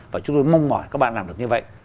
và chúng tôi mong mỏi các bạn làm được như vậy